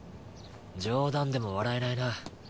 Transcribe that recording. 冗談でも笑えないな。